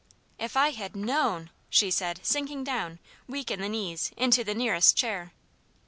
"If I had known!" she said, sinking down, weak in the knees, into the nearest chair.